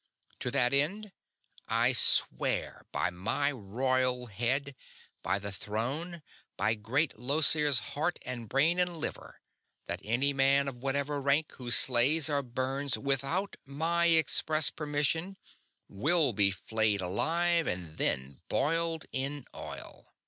To that end I swear by my royal head, by the Throne, by Great Llosir's heart and brain and liver, that any man of whatever rank who slays or burns without my express permission will be flayed alive and then boiled in oil!"